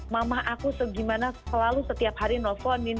mama aku gimana selalu setiap hari nelfonin